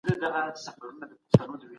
باید د دباندنۍ نړۍ په اړه ډېر شناخت پیدا کړو.